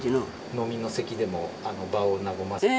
飲みの席でも場を和ませたり？